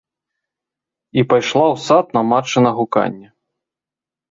І пайшла ў сад на матчына гуканне.